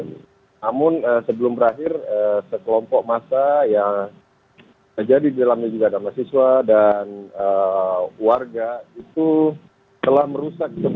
namun sebelum berakhir sekelompok masa yang jadi di dalamnya juga ada mahasiswa dan warga itu telah merusak gempa